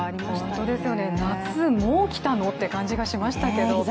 本当ですよね、夏、もう来たの？って感じがしましたけど。